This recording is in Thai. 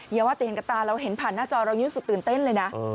อย่าว่าแต่เห็นกับตาเราเห็นผ่านหน้าจอเรารู้สึกตื่นเต้นเลยนะ